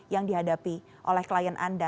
yang dihadapi oleh klien anda